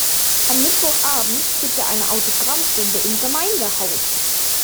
Am Mittwochabend gibt er eine Autogrammstunde im Gemeindehaus.